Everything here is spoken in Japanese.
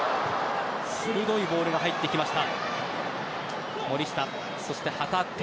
鋭いボールが入ってきました。